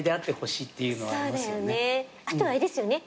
あとあれですよね